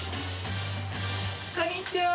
こんにちは。